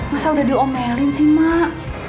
masa udah diomelin sih mak